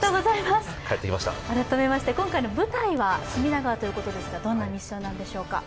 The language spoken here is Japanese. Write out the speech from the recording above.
改めまして今回の舞台は隅田川ということですが、どんなミッションなんでしょうか？